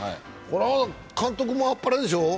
これは監督もあっぱれでしょう？